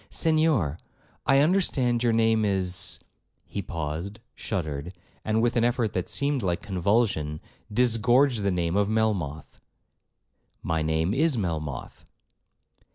'Senhor, I understand your name is—' He paused, shuddered, and with an effort that seemed like convulsion, disgorged the name of Melmoth. 'My name is Melmoth.'